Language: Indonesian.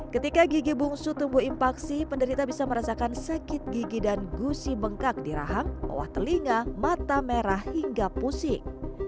ketika gigi bungsu tumbuh impaksi penderita bisa merasakan sakit gigi dan gusi bengkak di rahang owa telinga mata merah hingga pusing